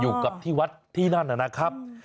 อยู่กับที่วัดที่นั่นนะครับ